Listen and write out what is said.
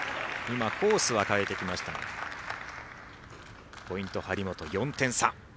コースは変えてきましたがポイント、張本、４点差。